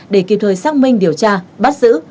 để kịp thời xác minh điều tra bắt giữ